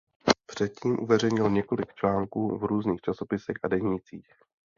Předtím uveřejnil několik článků v různých časopisech a denících.